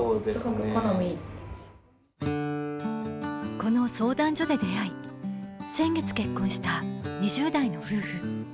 この相談所で出会い、先月結婚した２０代の夫婦。